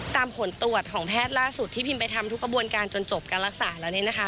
ผลตรวจของแพทย์ล่าสุดที่พิมไปทำทุกกระบวนการจนจบการรักษาแล้วเนี่ยนะคะ